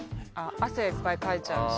汗いっぱいかいちゃうし。